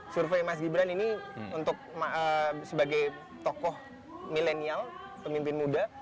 survei mas gibran ini untuk sebagai tokoh milenial pemimpin muda